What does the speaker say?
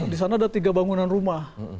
disana ada tiga bangunan rumah